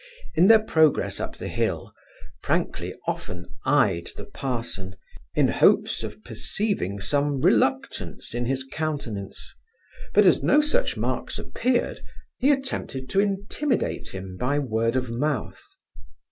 In their progress up the hill, Prankley often eyed the parson, in hopes of perceiving some reluctance in his countenance; but as no such marks appeared, he attempted to intimidate him by word of mouth.